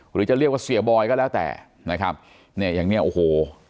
หรือจะเรียกว่าเสียบอยก็แล้วแต่นะครับเนี่ยอย่างเนี้ยโอ้โห